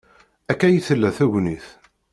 Akka ay tella tegnit.